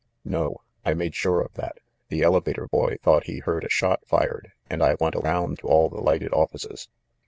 "No, I made sure of that. The elevator boy thought he heard a shot fired, and I went around to all the lighted offices.